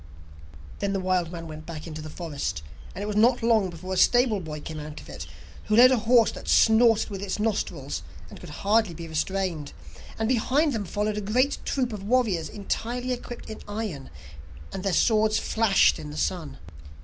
Then the wild man went back into the forest, and it was not long before a stable boy came out of it, who led a horse that snorted with its nostrils, and could hardly be restrained, and behind them followed a great troop of warriors entirely equipped in iron, and their swords flashed in the sun.